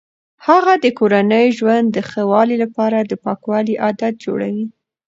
هغه د کورني ژوند د ښه والي لپاره د پاکوالي عادات جوړوي.